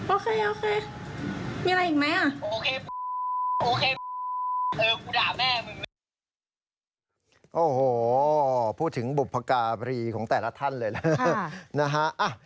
โอ้โหพูดถึงบุพการีของแต่ละท่านเลยนะฮะ